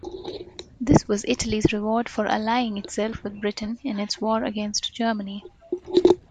This was Italy's reward for allying itself with Britain in its war against Germany.